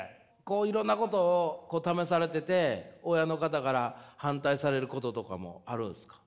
いろんなことを試されてて親の方から反対されることとかもあるんですか？